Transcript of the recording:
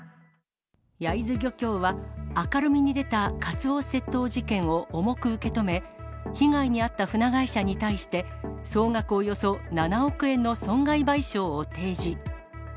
焼津漁協は、明るみに出たカツオ窃盗事件を重く受け止め、被害に遭った船会社に対して、総額およそ７億円の損害賠償を提示。